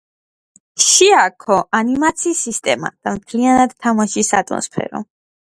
შეაქო ანიმაციის სისტემა და მთლიანად თამაშის ატმოსფერო.